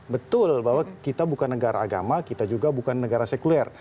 betul bahwa kita bukan negara agama kita juga bukan negara sekuler